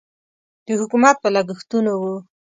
د حکومت په لګښتونو و.